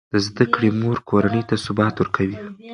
د زده کړې مور کورنۍ ته ثبات ورکوي.